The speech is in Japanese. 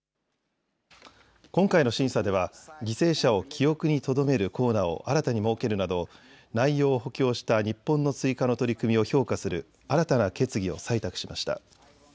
今回の審査では犠牲者を記憶にとどめるコーナーを新たに設けるなど内容を補強した日本の追加の取り組みを評価する新たな決議を採択しました。